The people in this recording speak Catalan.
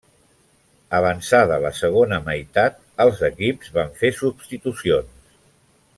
Avançada la segona meitat, els equips van fer substitucions.